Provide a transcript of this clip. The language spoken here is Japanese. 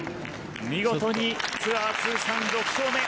見事にツアー通算６勝目。